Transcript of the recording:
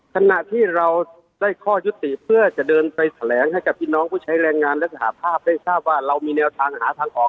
ขณะที่เราได้ข้อยุติเพื่อจะเดินไปแถลงให้กับพี่น้องผู้ใช้แรงงานและสหภาพได้ทราบว่าเรามีแนวทางหาทางออก